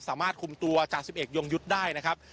สามารถคุมตัวจ่าสิบเอกยงยุทธ์ได้นะครับ